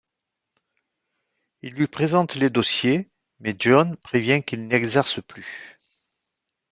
Ils lui présentent les dossiers, mais John prévient qu'il n'exerce plus.